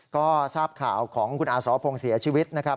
ก็ทราบข่าวของคุณอาสรพงศ์เสียชีวิตนะครับ